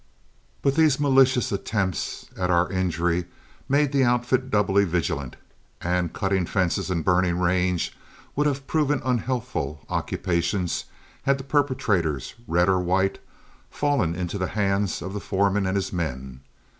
But these malicious attempts at our injury made the outfit doubly vigilant, and cutting fences and burning range would have proven unhealthful occupations had the perpetrators, red or white, fallen into the hands of the foreman and his men.